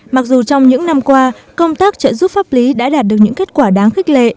mặc dù trong những năm qua công tác trợ giúp pháp lý đã đạt được những kết quả đáng khích lệ